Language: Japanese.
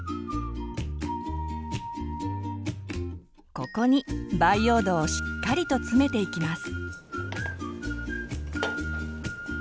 ここに培養土をしっかりと詰めていきます。